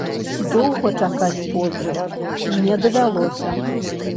Доўга чакаць позвы не давялося.